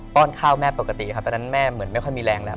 ้อนข้าวแม่ปกติครับตอนนั้นแม่เหมือนไม่ค่อยมีแรงแล้ว